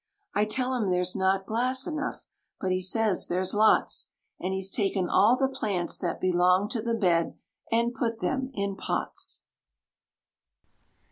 I tell him there's not glass enough, but he says there's lots, And he's taken all the plants that belong to the bed and put them in pots.